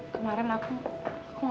janganlah lagi takut apa tuh